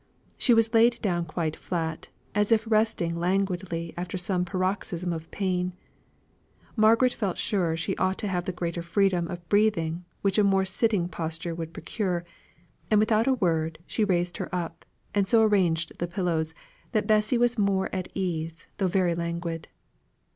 She was laid down quite flat, as if resting languidly after some paroxysm of pain. Margaret felt sure she ought to have the greater freedom of breathing which a more sitting posture would procure; and, without a word, she raised her up, and so arranged the pillows, that Bessy was more at ease, though very languid.